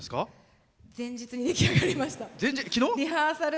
前日に出来上がりました。